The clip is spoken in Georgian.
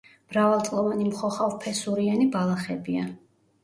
მრავალწლოვანი მხოხავფესურიანი ბალახებია.